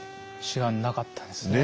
知らなかったですね。